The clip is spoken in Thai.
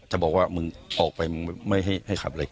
จะบอกว่ามึงออกไปไม่ให้ขับอะไร